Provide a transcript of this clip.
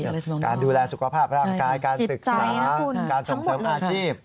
การดูแลสุขภาพร่างกายการศึกษาการส่งเสริมอาชีพ